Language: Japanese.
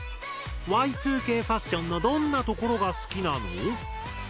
Ｙ２Ｋファッションのどんなところが好きなの？